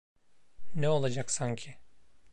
Ne olacak sanki?